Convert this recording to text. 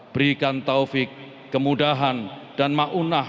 berikan taufik kemudahan dan maunah